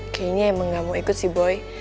kayaknya emang gak mau ikut si boy